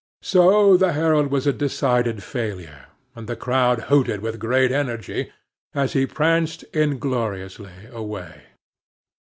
So, the herald was a decided failure, and the crowd hooted with great energy, as he pranced ingloriously away.